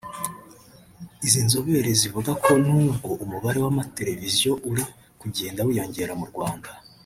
Izi nzobere zivuga ko n’ubwo umubare w’amateleviziyo uri kugenda wiyongera mu Rwanda